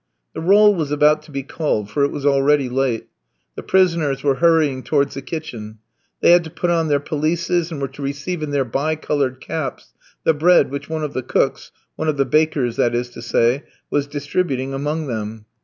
The roll was about to be called, for it was already late. The prisoners were hurrying towards the kitchen. They had to put on their pelisses, and were to receive in their bi coloured caps the bread which one of the cooks one of the bakers, that is to say was distributing among them.